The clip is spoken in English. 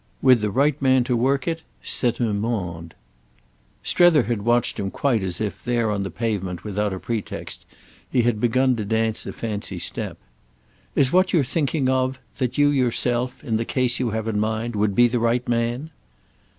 With the right man to work it c'est un monde." Strether had watched him quite as if, there on the pavement without a pretext, he had begun to dance a fancy step. "Is what you're thinking of that you yourself, in the case you have in mind, would be the right man?"